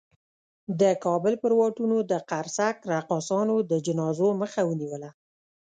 د کابل پر واټونو د قرصک رقاصانو د جنازو مخه ونیوله.